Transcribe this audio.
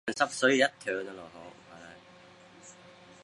唐密秽迹金刚像上顶有释迦牟尼佛。